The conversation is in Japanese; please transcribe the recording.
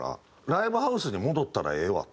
ライブハウスに戻ったらええわ。